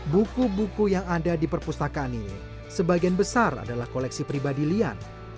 buku buku yang ada di perpustakaan ini sebagian besar adalah koleksi pribadi lian